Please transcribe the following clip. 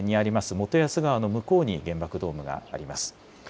元安川の向こうに原爆ドームがあります。